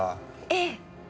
ええ。